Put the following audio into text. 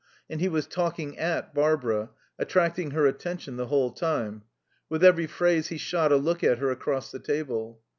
And he was talking at Barbara, attracting her attention the whole time; with every phrase he shot a look at her across the table.